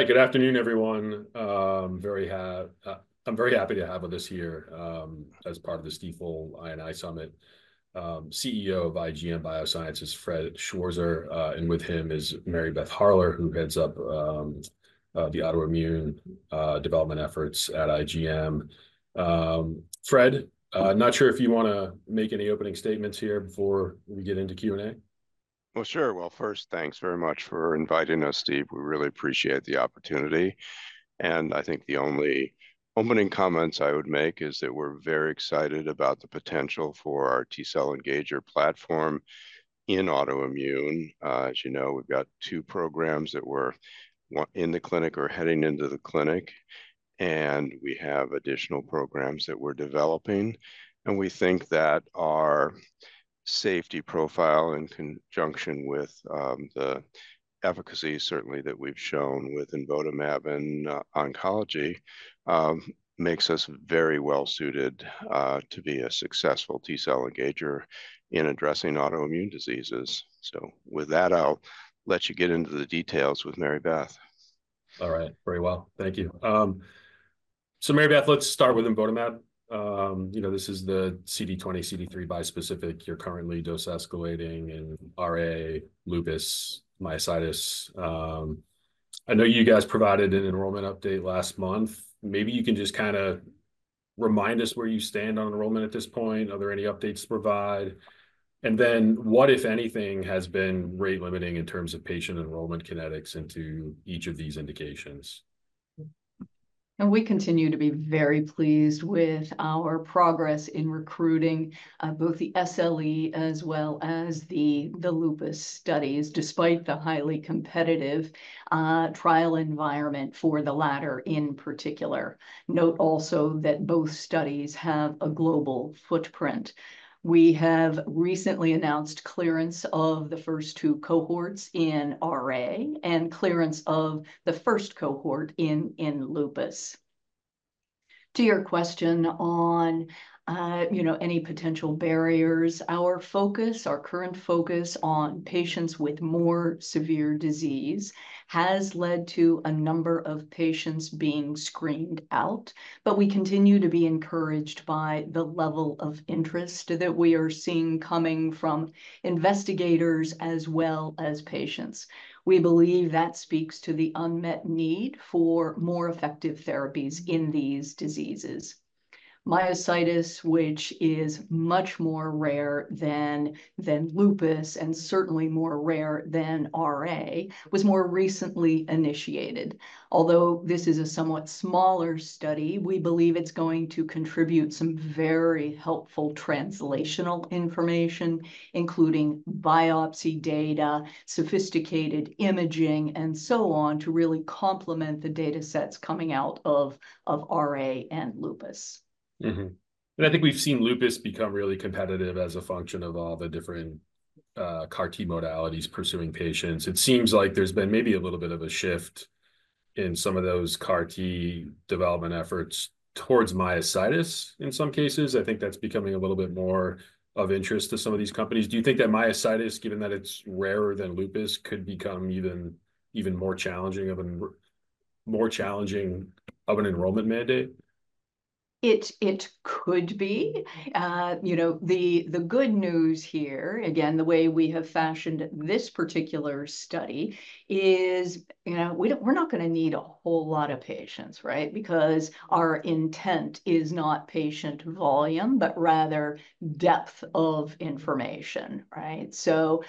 All right, good afternoon, everyone. I'm very happy to have with us here, as part of this Stifel I&I Summit, CEO of IGM Biosciences, Fred Schwarzer, and with him is Mary Beth Harler, who heads up the autoimmune development efforts at IGM. Fred, not sure if you wanna make any opening statements here before we get into Q&A? Sure. First, thanks very much for inviting us, Steve. We really appreciate the opportunity, and I think the only opening comments I would make is that we're very excited about the potential for our T-cell engager platform in autoimmune. As you know, we've got two programs that we're in the clinic or heading into the clinic, and we have additional programs that we're developing, and we think that our safety profile, in conjunction with the efficacy certainly that we've shown with imvotamab in oncology, makes us very well-suited to be a successful T-cell engager in addressing autoimmune diseases. With that, I'll let you get into the details with Mary Beth. All right. Very well. Thank you. So Mary Beth, let's start with imvotamab. You know, this is the CD20/CD3 bispecific you're currently dose-escalating in RA, lupus, myositis. I know you guys provided an enrollment update last month. Maybe you can just kinda remind us where you stand on enrollment at this point. Are there any updates to provide? And then, what, if anything, has been rate-limiting in terms of patient enrollment kinetics into each of these indications? We continue to be very pleased with our progress in recruiting both the SLE as well as the lupus studies, despite the highly competitive trial environment for the latter in particular. Note also that both studies have a global footprint. We have recently announced clearance of the first two cohorts in RA, and clearance of the first cohort in lupus. To your question on you know, any potential barriers, our focus, our current focus on patients with more severe disease has led to a number of patients being screened out, but we continue to be encouraged by the level of interest that we are seeing coming from investigators as well as patients. We believe that speaks to the unmet need for more effective therapies in these diseases. Myositis, which is much more rare than lupus, and certainly more rare than RA, was more recently initiated. Although this is a somewhat smaller study, we believe it's going to contribute some very helpful translational information, including biopsy data, sophisticated imaging, and so on, to really complement the datasets coming out of RA and lupus. Mm-hmm, and I think we've seen lupus become really competitive as a function of all the different CAR T modalities pursuing patients. It seems like there's been maybe a little bit of a shift in some of those CAR T development efforts towards myositis in some cases. I think that's becoming a little bit more of interest to some of these companies. Do you think that myositis, given that it's rarer than lupus, could become even more challenging of an enrollment mandate? It could be. You know, the good news here, again, the way we have fashioned this particular study is, you know, we don't, we're not gonna need a whole lot of patients, right? Because our intent is not patient volume, but rather depth of information, right? So,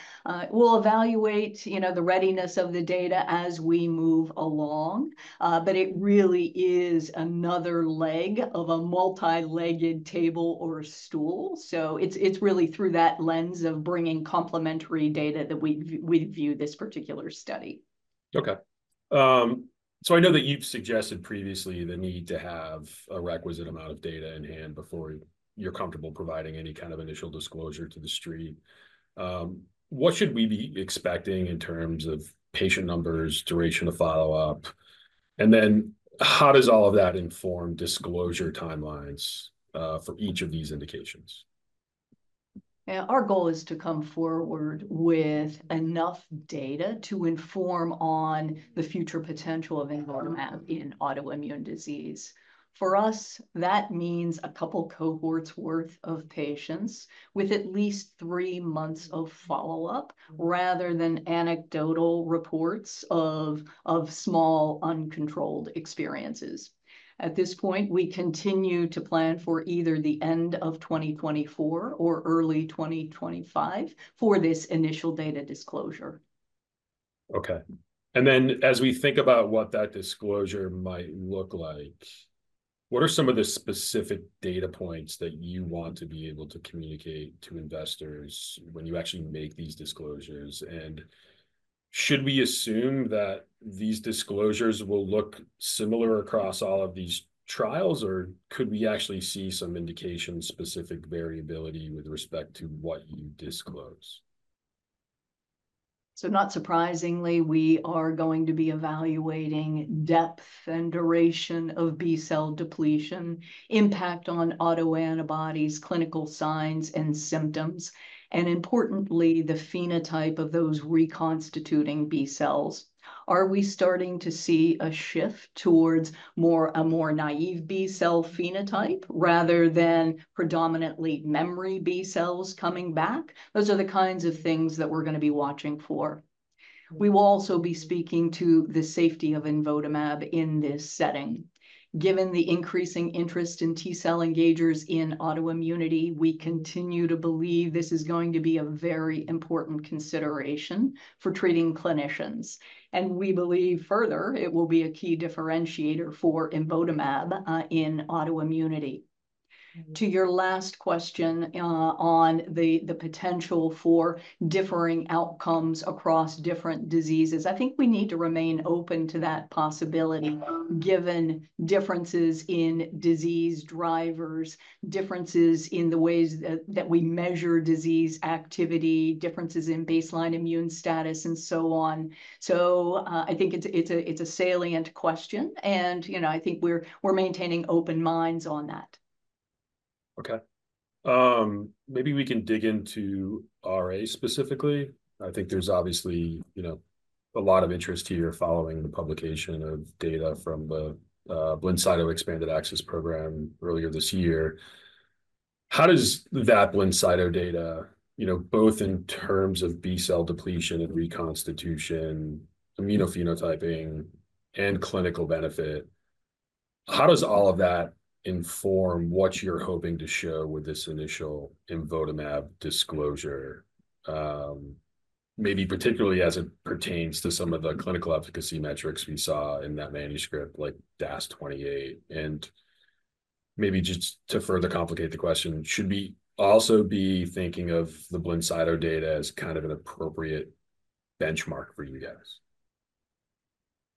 we'll evaluate, you know, the readiness of the data as we move along, but it really is another leg of a multi-legged table or stool, so it's really through that lens of bringing complementary data that we view this particular study. Okay. So I know that you've suggested previously the need to have a requisite amount of data in hand before you're comfortable providing any kind of initial disclosure to the street. What should we be expecting in terms of patient numbers, duration of follow-up, and then how does all of that inform disclosure timelines, for each of these indications? Our goal is to come forward with enough data to inform on the future potential of imvotamab in autoimmune disease. For us, that means a couple cohorts' worth of patients with at least three months of follow-up, rather than anecdotal reports of small, uncontrolled experiences. At this point, we continue to plan for either the end of twenty twenty-four or early twenty twenty-five for this initial data disclosure. Okay. And then, as we think about what that disclosure might look like, what are some of the specific data points that you want to be able to communicate to investors when you actually make these disclosures? And should we assume that these disclosures will look similar across all of these trials, or could we actually see some indication-specific variability with respect to what you disclose? ... So not surprisingly, we are going to be evaluating depth and duration of B-cell depletion, impact on autoantibodies, clinical signs and symptoms, and importantly, the phenotype of those reconstituting B-cells. Are we starting to see a shift towards more, a more naive B-cell phenotype rather than predominantly memory B-cells coming back? Those are the kinds of things that we're gonna be watching for. We will also be speaking to the safety of imvotamab in this setting. Given the increasing interest in T-cell engagers in autoimmunity, we continue to believe this is going to be a very important consideration for treating clinicians, and we believe further it will be a key differentiator for imvotamab in autoimmunity. To your last question, on the potential for differing outcomes across different diseases, I think we need to remain open to that possibility, given differences in disease drivers, differences in the ways that we measure disease activity, differences in baseline immune status, and so on. So, I think it's a salient question, and, you know, I think we're maintaining open minds on that. Okay. Maybe we can dig into RA specifically. I think there's obviously, you know, a lot of interest here following the publication of data from the Blincyto expanded access program earlier this year. How does that Blincyto data, you know, both in terms of B-cell depletion and reconstitution, immunophenotyping, and clinical benefit, how does all of that inform what you're hoping to show with this initial imvotamab disclosure, maybe particularly as it pertains to some of the clinical efficacy metrics we saw in that manuscript, like DAS28? And maybe just to further complicate the question, should we also be thinking of the Blincyto data as kind of an appropriate benchmark for you guys?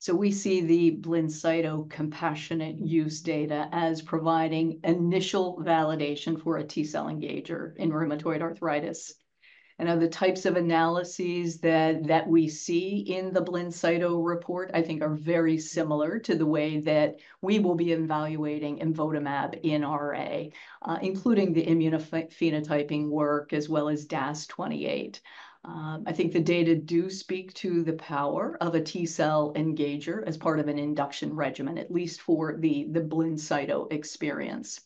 So we see the Blincyto compassionate use data as providing initial validation for a T-cell engager in rheumatoid arthritis, and of the types of analyses that we see in the Blincyto report, I think are very similar to the way that we will be evaluating imvotamab in RA, including the immunophenotyping work, as well as DAS28. I think the data do speak to the power of a T-cell engager as part of an induction regimen, at least for the Blincyto experience.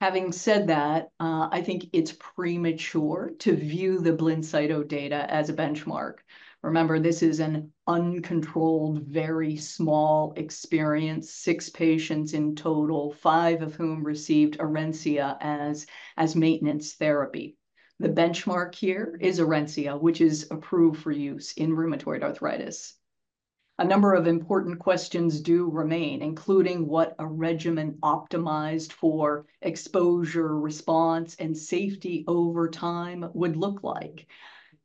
Having said that, I think it's premature to view the Blincyto data as a benchmark. Remember, this is an uncontrolled, very small experience, six patients in total, five of whom received Orencia as maintenance therapy. The benchmark here is Orencia, which is approved for use in rheumatoid arthritis. A number of important questions do remain, including what a regimen optimized for exposure, response, and safety over time would look like.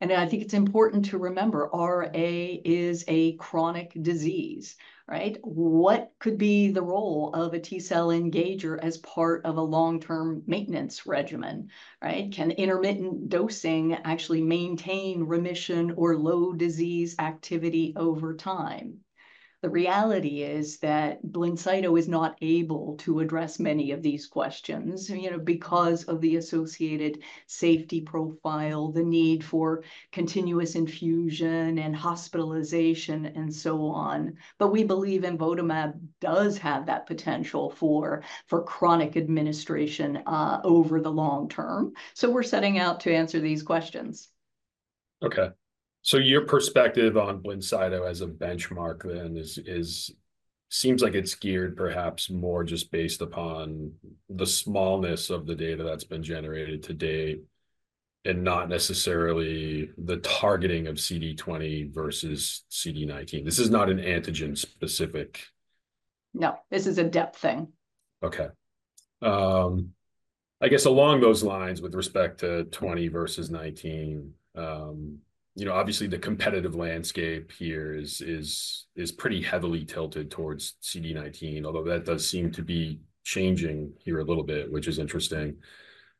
And I think it's important to remember, RA is a chronic disease, right? What could be the role of a T-cell engager as part of a long-term maintenance regimen, right? Can intermittent dosing actually maintain remission or low disease activity over time? The reality is that Blincyto is not able to address many of these questions, you know, because of the associated safety profile, the need for continuous infusion and hospitalization, and so on. But we believe imvotamab does have that potential for chronic administration over the long term, so we're setting out to answer these questions. Okay. So your perspective on Blincyto as a benchmark then is... seems like it's geared perhaps more just based upon the smallness of the data that's been generated to date, and not necessarily the targeting of CD20 versus CD19. This is not an antigen-specific- No, this is a depth thing. Okay. I guess along those lines, with respect to twenty versus nineteen, you know, obviously the competitive landscape here is pretty heavily tilted towards CD19, although that does seem to be changing here a little bit, which is interesting.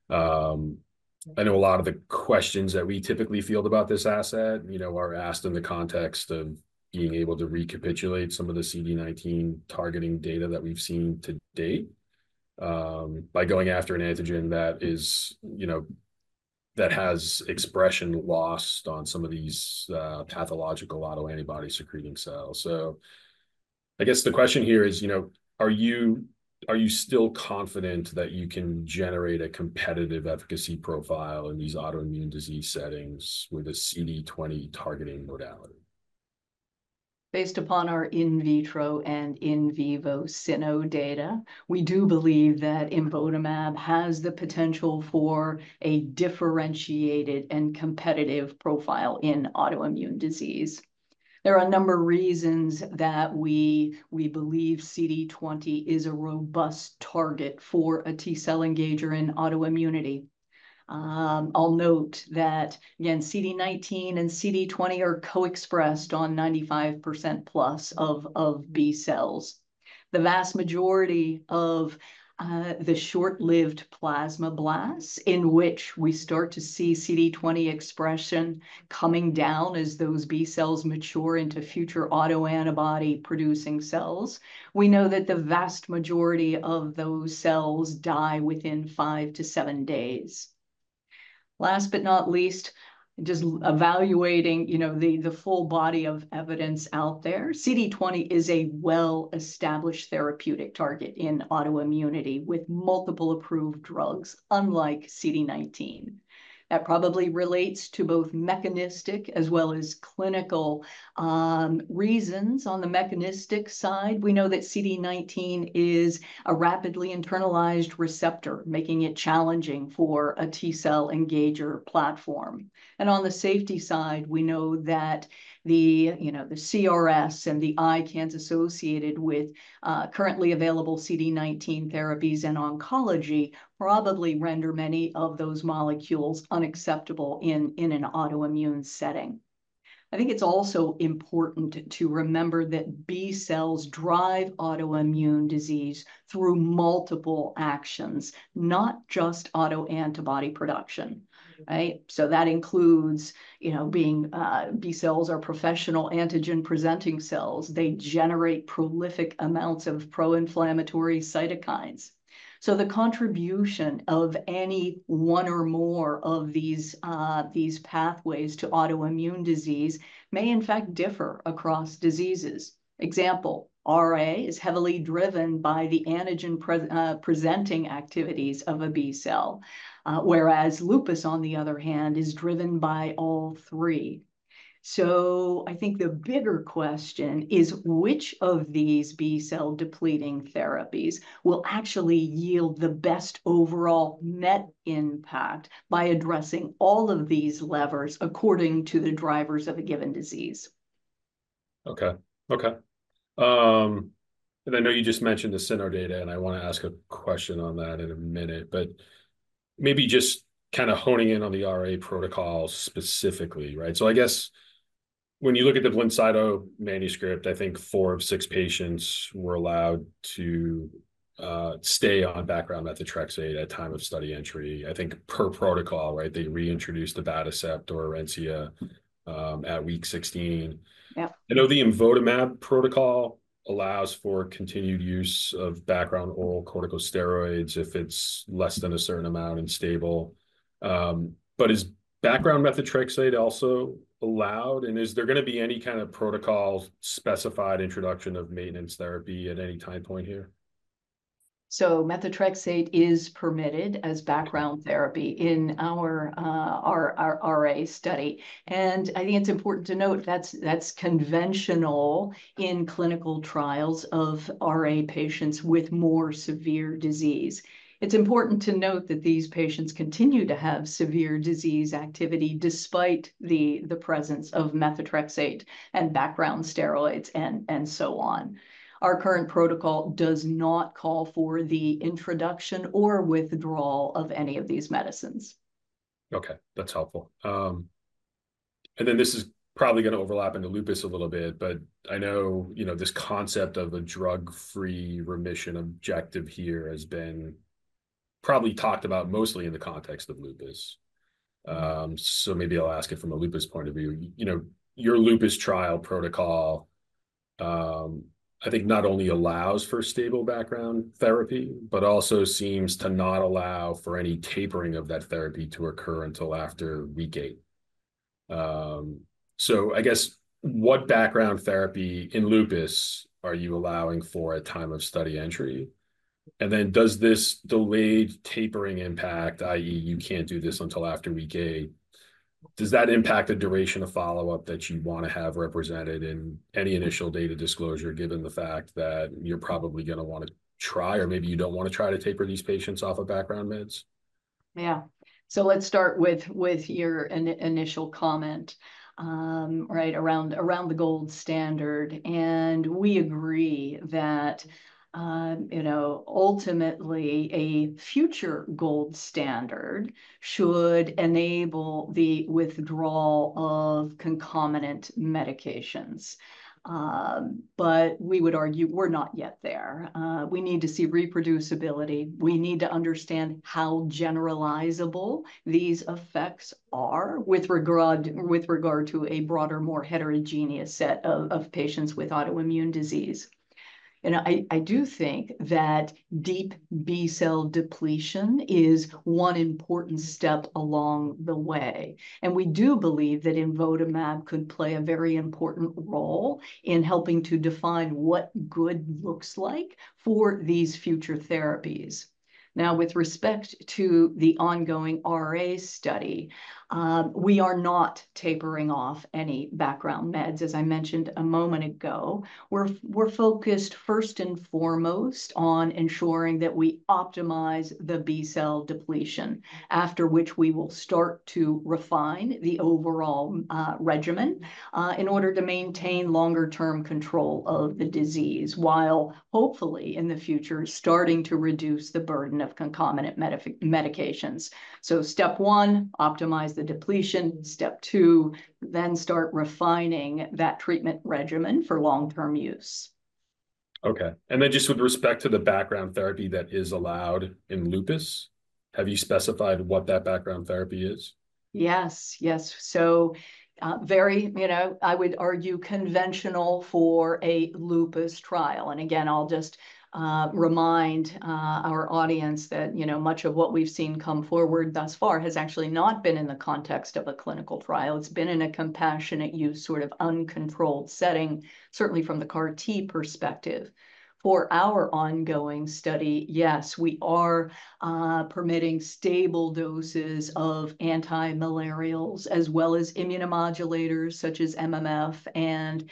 I know a lot of the questions that we typically field about this asset, you know, are asked in the context of being able to recapitulate some of the CD19 targeting data that we've seen to date, by going after an antigen that is, you know, that has expression lost on some of these pathological autoantibody-secreting cells. So I guess the question here is, you know, are you, are you still confident that you can generate a competitive efficacy profile in these autoimmune disease settings with a CD20 targeting modality? Based upon our in vitro and in vivo cyno data, we do believe that imvotamab has the potential for a differentiated and competitive profile in autoimmune disease. There are a number of reasons that we believe CD20 is a robust target for a T-cell engager in autoimmunity. I'll note that, again, CD19 and CD20 are co-expressed on 95% plus of B-cells. The vast majority of the short-lived plasmablasts, in which we start to see CD20 expression coming down as those B-cells mature into future autoantibody-producing cells, we know that the vast majority of those cells die within five to seven days. Last but not least, just evaluating, you know, the full body of evidence out there. CD20 is a well-established therapeutic target in autoimmunity, with multiple approved drugs, unlike CD19. That probably relates to both mechanistic as well as clinical reasons. On the mechanistic side, we know that CD19 is a rapidly internalized receptor, making it challenging for a T-cell engager platform. And on the safety side, we know that the you know the CRS and the ICANS associated with currently available CD19 therapies in oncology probably render many of those molecules unacceptable in an autoimmune setting. I think it's also important to remember that B cells drive autoimmune disease through multiple actions, not just autoantibody production, right? So that includes you know being B cells are professional antigen-presenting cells. They generate prolific amounts of pro-inflammatory cytokines. So the contribution of any one or more of these pathways to autoimmune disease may in fact differ across diseases. Example, RA is heavily driven by the antigen presenting activities of a B cell whereas lupus, on the other hand, is driven by all three. I think the bigger question is, which of these B-cell-depleting therapies will actually yield the best overall net impact by addressing all of these levers according to the drivers of a given disease? Okay. And I know you just mentioned the cyno data, and I want to ask a question on that in a minute, but maybe just kind of honing in on the RA protocol specifically, right? So I guess when you look at the Blincyto manuscript, I think four of six patients were allowed to stay on background methotrexate at time of study entry. I think per protocol, right, they reintroduced abatacept or Orencia at week 16. Yep. I know the imvotamab protocol allows for continued use of background oral corticosteroids if it's less than a certain amount and stable, but is background methotrexate also allowed, and is there gonna be any kind of protocol-specified introduction of maintenance therapy at any time point here? So methotrexate is permitted as background therapy in our RA study, and I think it's important to note that's conventional in clinical trials of RA patients with more severe disease. It's important to note that these patients continue to have severe disease activity, despite the presence of methotrexate and background steroids and so on. Our current protocol does not call for the introduction or withdrawal of any of these medicines. Okay, that's helpful. And then this is probably gonna overlap into lupus a little bit, but I know, you know, this concept of a drug-free remission objective here has been probably talked about mostly in the context of lupus. So maybe I'll ask it from a lupus point of view. You know, your lupus trial protocol, I think not only allows for stable background therapy, but also seems to not allow for any tapering of that therapy to occur until after week eight. So I guess, what background therapy in lupus are you allowing for at time of study entry? And then does this delayed tapering impact, i.e., you can't do this until after week eight, does that impact the duration of follow-up that you'd want to have represented in any initial data disclosure, given the fact that you're probably gonna want to try, or maybe you don't want to try to taper these patients off of background meds? Yeah. So let's start with your initial comment, right, around the gold standard, and we agree that, you know, ultimately, a future gold standard should enable the withdrawal of concomitant medications. But we would argue we're not yet there. We need to see reproducibility. We need to understand how generalizable these effects are with regard to a broader, more heterogeneous set of patients with autoimmune disease, and I do think that deep B-cell depletion is one important step along the way, and we do believe that imvotamab could play a very important role in helping to define what good looks like for these future therapies. Now, with respect to the ongoing RA study, we are not tapering off any background meds, as I mentioned a moment ago. We're focused first and foremost on ensuring that we optimize the B-cell depletion, after which we will start to refine the overall regimen in order to maintain longer-term control of the disease, while hopefully, in the future, starting to reduce the burden of concomitant medications. So step one, optimize the depletion. Step two, then start refining that treatment regimen for long-term use. Okay, and then just with respect to the background therapy that is allowed in lupus, have you specified what that background therapy is?... Yes, yes. So, very, you know, I would argue conventional for a lupus trial. And again, I'll just remind our audience that, you know, much of what we've seen come forward thus far has actually not been in the context of a clinical trial. It's been in a compassionate use, sort of uncontrolled setting, certainly from the CAR T perspective. For our ongoing study, yes, we are permitting stable doses of anti-malarials, as well as immunomodulators, such as MMF and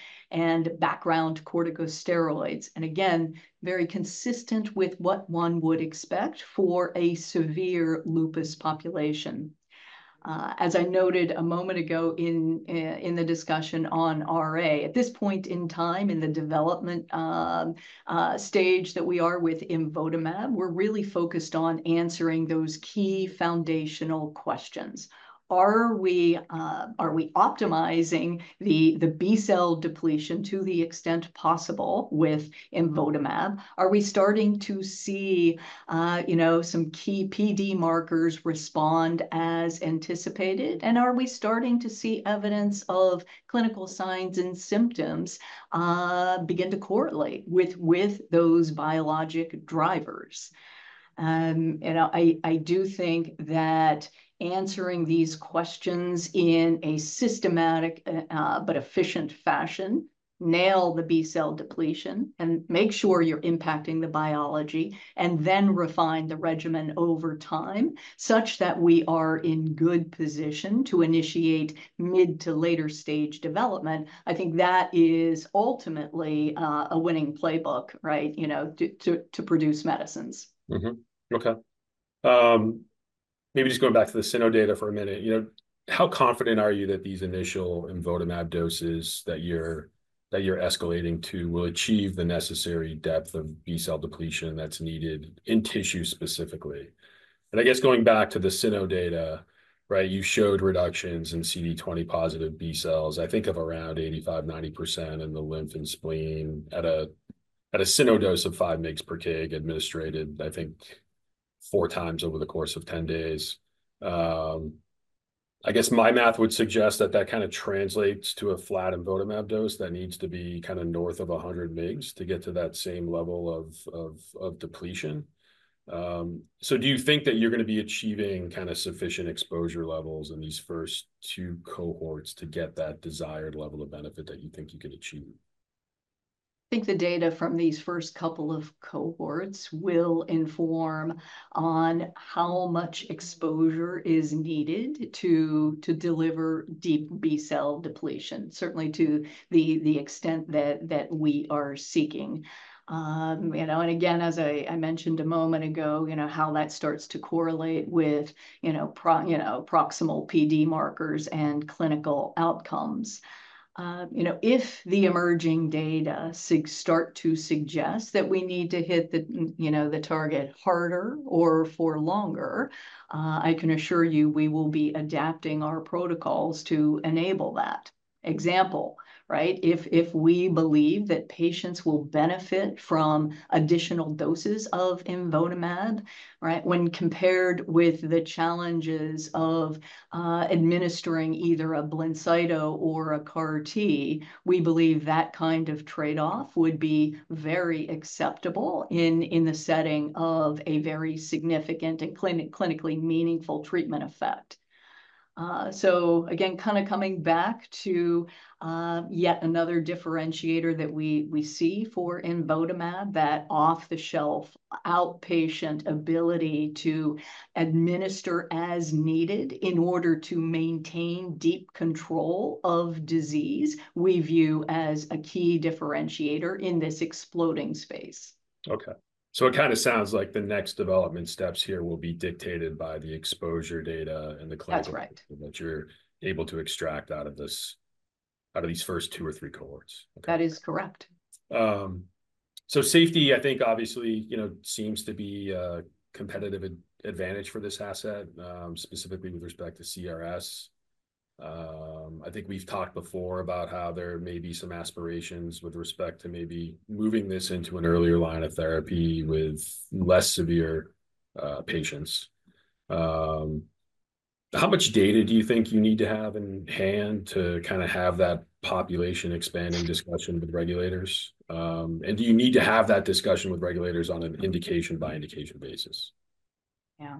background corticosteroids. And again, very consistent with what one would expect for a severe lupus population. As I noted a moment ago in the discussion on RA, at this point in time in the development stage that we are with imvotamab, we're really focused on answering those key foundational questions. Are we... Are we optimizing the B-cell depletion to the extent possible with imvotamab? Are we starting to see, you know, some key PD markers respond as anticipated? And are we starting to see evidence of clinical signs and symptoms begin to correlate with those biologic drivers? You know, I do think that answering these questions in a systematic, but efficient fashion, nail the B-cell depletion, and make sure you're impacting the biology, and then refine the regimen over time, such that we are in good position to initiate mid to later stage development. I think that is ultimately a winning playbook, right, you know, to produce medicines. Mm-hmm. Okay. Maybe just going back to the cyno data for a minute, you know, how confident are you that these initial imvotamab doses that you're escalating to will achieve the necessary depth of B-cell depletion that's needed in tissue specifically? And I guess going back to the cyno data, right, you showed reductions in CD20 positive B-cells, I think of around 85%-90% in the lymph and spleen at a cyno dose of 5 mg per kg administered, I think four times over the course of 10 days. I guess my math would suggest that that kind of translates to a flat imvotamab dose that needs to be kind of north of 100 mg to get to that same level of depletion. So, do you think that you're gonna be achieving kind of sufficient exposure levels in these first two cohorts to get that desired level of benefit that you think you could achieve? I think the data from these first couple of cohorts will inform on how much exposure is needed to deliver deep B-cell depletion, certainly to the extent that we are seeking. You know, and again, as I mentioned a moment ago, you know, how that starts to correlate with, you know, proximal PD markers and clinical outcomes. You know, if the emerging data start to suggest that we need to hit the, you know, the target harder or for longer, I can assure you, we will be adapting our protocols to enable that. Example, right? If we believe that patients will benefit from additional doses of imvotamab, right, when compared with the challenges of administering either a Blincyto or a CAR T, we believe that kind of trade-off would be very acceptable in the setting of a very significant and clinically meaningful treatment effect. So again, kind of coming back to yet another differentiator that we see for imvotamab, that off-the-shelf outpatient ability to administer as needed in order to maintain deep control of disease, we view as a key differentiator in this exploding space. Okay, so it kind of sounds like the next development steps here will be dictated by the exposure data and the clinical- That's right that you're able to extract out of these first two or three cohorts. Okay. That is correct. So safety, I think obviously, you know, seems to be a competitive advantage for this asset, specifically with respect to CRS. I think we've talked before about how there may be some aspirations with respect to maybe moving this into an earlier line of therapy with less severe patients. How much data do you think you need to have in hand to kind of have that population expanding discussion with regulators, and do you need to have that discussion with regulators on an indication-by-indication basis? Yeah.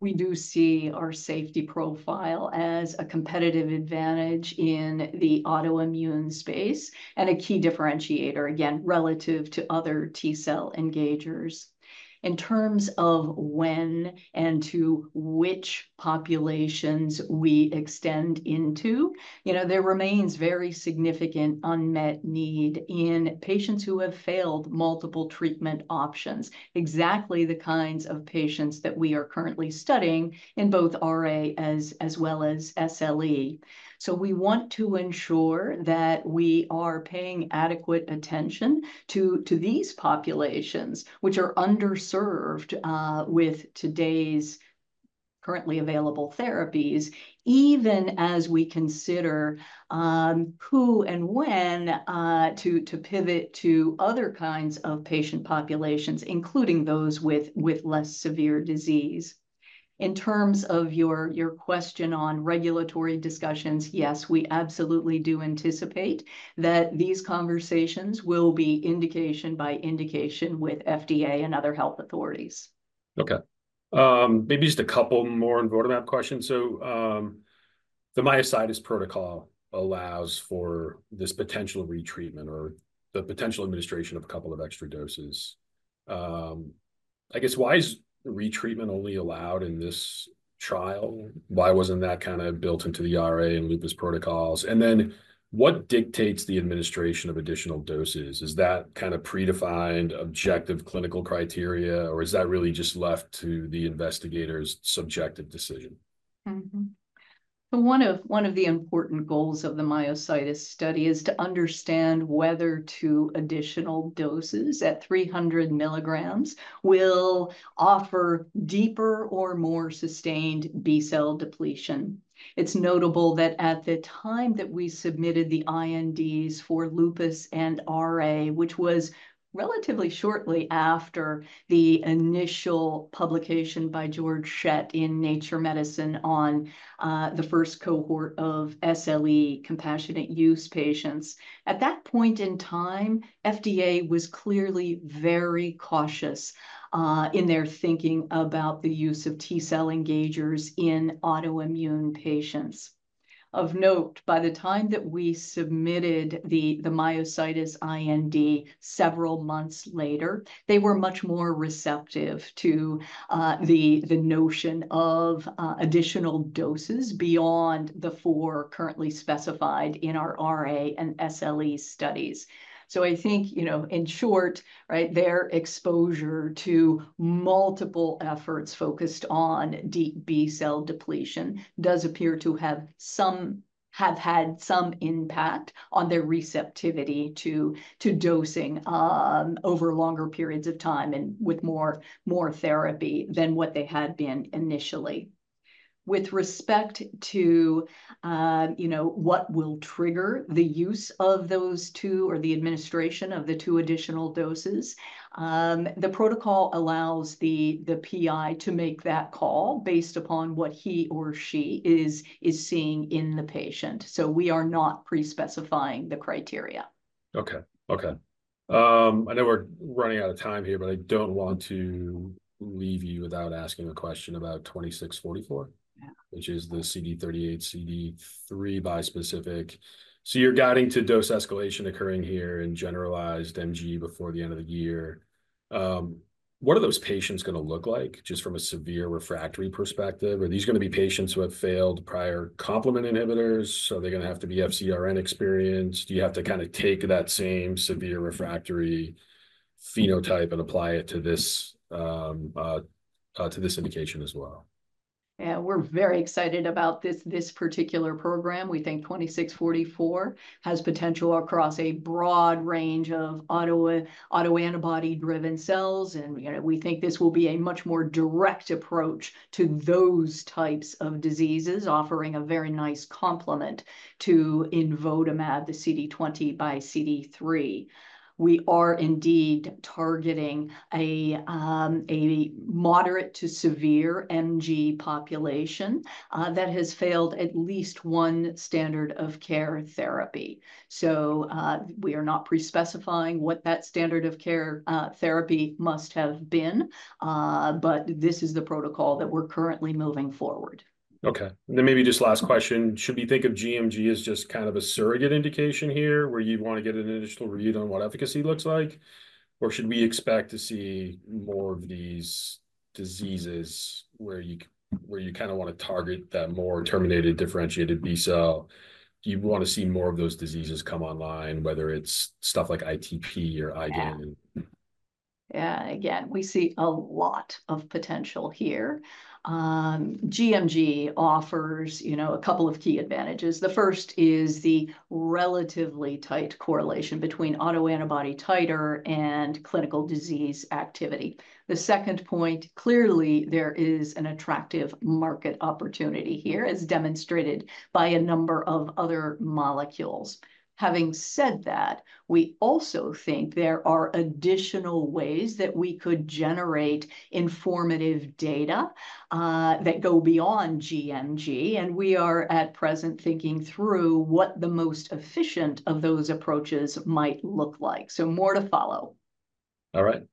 We do see our safety profile as a competitive advantage in the autoimmune space, and a key differentiator, again, relative to other T-cell engagers. In terms of when and to which populations we extend into, you know, there remains very significant unmet need in patients who have failed multiple treatment options, exactly the kinds of patients that we are currently studying in both RA as well as SLE. So we want to ensure that we are paying adequate attention to these populations, which are underserved with today's currently available therapies, even as we consider who and when to pivot to other kinds of patient populations, including those with less severe disease. In terms of your question on regulatory discussions, yes, we absolutely do anticipate that these conversations will be indication by indication with FDA and other health authorities. Okay. Maybe just a couple more imvotamab questions. The myositis protocol allows for this potential retreatment or the potential administration of a couple of extra doses. I guess, why is retreatment only allowed in this trial? Why wasn't that kind of built into the RA and lupus protocols? And then, what dictates the administration of additional doses? Is that kind of predefined, objective clinical criteria, or is that really just left to the investigator's subjective decision? Mm-hmm. So one of the important goals of the myositis study is to understand whether two additional doses at 300 milligrams will offer deeper or more sustained B-cell depletion. It's notable that at the time that we submitted the INDs for lupus and RA, which was relatively shortly after the initial publication by Georg Schett in Nature Medicine on the first cohort of SLE compassionate use patients. At that point in time, FDA was clearly very cautious in their thinking about the use of T-cell engagers in autoimmune patients. Of note, by the time that we submitted the myositis IND several months later, they were much more receptive to the notion of additional doses beyond the 4 currently specified in our RA and SLE studies. So I think, you know, in short, right, their exposure to multiple efforts focused on deep B-cell depletion does appear to have had some impact on their receptivity to dosing over longer periods of time and with more therapy than what they had been initially. With respect to, you know, what will trigger the use of those two or the administration of the two additional doses, the protocol allows the PI to make that call based upon what he or she is seeing in the patient, so we are not pre-specifying the criteria. Okay, okay. I know we're running out of time here, but I don't want to leave you without asking a question about IGM-2644- Yeah... which is the CD38, CD3 bispecific. So you're guiding to dose escalation occurring here in generalized MG before the end of the year. What are those patients gonna look like, just from a severe refractory perspective? Are these gonna be patients who have failed prior complement inhibitors? Are they gonna have to be FcRn experienced? Do you have to kind of take that same severe refractory phenotype and apply it to this indication as well? Yeah, we're very excited about this, this particular program. We think 26-44 has potential across a broad range of autoantibody-driven cells, and, you know, we think this will be a much more direct approach to those types of diseases, offering a very nice complement to imvotamab, the CD20 by CD3. We are indeed targeting a moderate to severe MG population, that has failed at least one standard of care therapy. So, we are not pre-specifying what that standard of care therapy must have been, but this is the protocol that we're currently moving forward. Okay. And then maybe just last question: Should we think of gMG as just kind of a surrogate indication here, where you'd want to get an initial read on what efficacy looks like? Or should we expect to see more of these diseases where you kinda wanna target that more terminally differentiated B cell? Do you wanna see more of those diseases come online, whether it's stuff like ITP or IgAN? Yeah. Yeah, again, we see a lot of potential here. gMG offers, you know, a couple of key advantages. The first is the relatively tight correlation between autoantibody titer and clinical disease activity. The second point, clearly there is an attractive market opportunity here, as demonstrated by a number of other molecules. Having said that, we also think there are additional ways that we could generate informative data, that go beyond gMG, and we are, at present, thinking through what the most efficient of those approaches might look like. So more to follow. All right.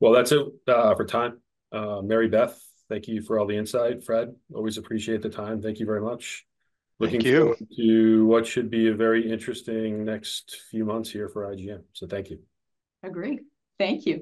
That's it for time. Mary Beth, thank you for all the insight. Fred, always appreciate the time. Thank you very much. Thank you. Looking forward to what should be a very interesting next few months here for IGM, so thank you. Agree. Thank you.